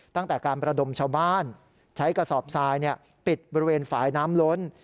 ตั้งแต่การประดมชาวบ้านใช้กระสอบทรายปิดบริเวณฝ่ายน้ำล้น